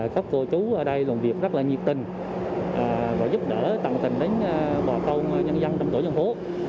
các cô chú ở đây làm việc rất là nhiệt tình và giúp đỡ tầm tình đến bò câu nhân dân trong tổ dân phố